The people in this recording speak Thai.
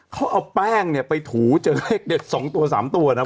เขาเอาแป้งเนี่ยไปถูเจอเลขเด็ด๒ตัว๓ตัวนะ